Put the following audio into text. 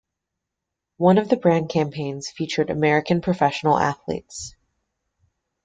One of the brand campaigns featured American professional athletes.